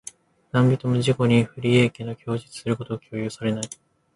何人（なんびと）も自己に不利益な供述をすることを強要されない。